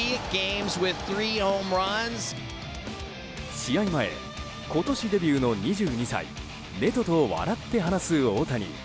試合前、今年デビューの２２歳ネトと笑って話す大谷。